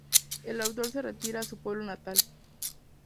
El autor se retira a su pueblo natal.